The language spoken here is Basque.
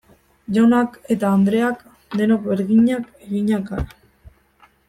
Jaunak eta andreak denok berdinak eginak gara.